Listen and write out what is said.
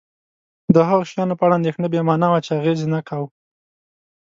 د هغو شیانو په اړه اندېښنه بې مانا وه چې اغېز یې نه کاوه.